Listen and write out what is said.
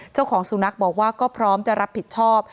เจ้าของสุนัขบอกว่าก็พร้อมจะรับผิดชอบ